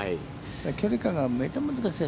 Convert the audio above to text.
距離感がめっちゃ難しい。